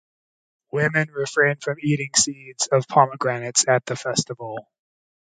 Women refrained from eating seeds of pomegranates at the festival.